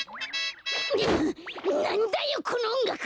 なんだよこのおんがく！